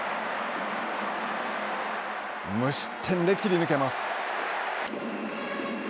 無失点で切り抜けます。